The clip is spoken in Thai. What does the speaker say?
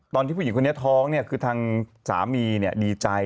ตอนที่ผู้หญิงคนนี้ท้องนี่คือทางสามีดีใจ